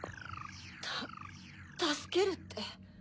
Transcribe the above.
たすけるって。